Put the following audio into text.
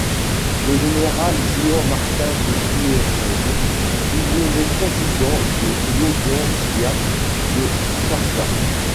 Le général Juan Martín de Pueyrredón fut nommé président de l’Audiencia de Charcas.